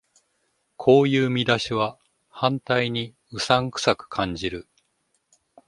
こういう見出しは反対にうさんくさく感じる